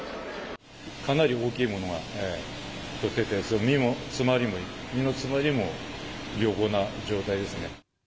かなり大きいものが取れてて、身の詰まりも良好な状態ですね。